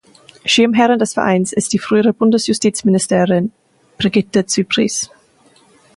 Schirmherrin des Vereins ist die frühere Bundesjustizministerin Brigitte Zypries.